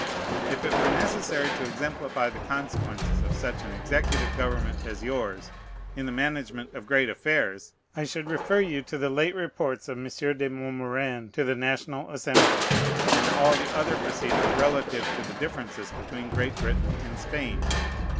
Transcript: If it were necessary to exemplify the consequences of such an executive government as yours, in the management of great affairs, I should refer you to the late reports of M. de Montmorin to the National Assembly, and all the other proceedings relative to the differences between Great Britain and Spain.